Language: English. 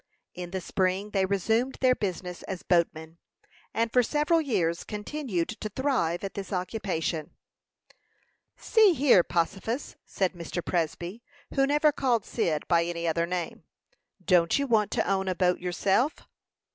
In the spring they resumed their business as boatmen, and for several years continued to thrive at this occupation. "See here, Possifus," said Mr. Presby, who never called Cyd by any other name; "don't you want to own a boat yourself?"